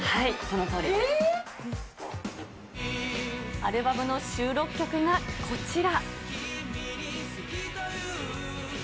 アルバムの収録曲がこちら。